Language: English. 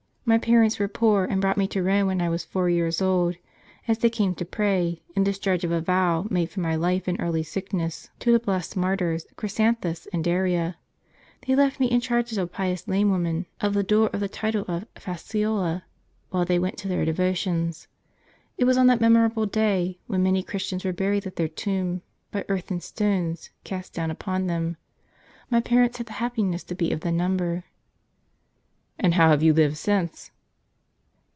My parents were poor, and brought me to Rome when I was four years old, as they came to pray, in discharge of a vow made for my life in early sickness, to the blessed martyrs Chrysanthus and Daria. They left me in charge of a pious lame woman, at the door of the title of Fasciola, while they went to their devotions. It was on that memorable day, when many Christians were buried at their tomb, by earth and stones cast down upon them. My parents had the happiness to be of the number." " And how have you lived since